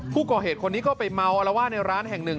ผู้ก่อเหตุคนนี้ก็ไปเมาอารวาสในร้านแห่งหนึ่ง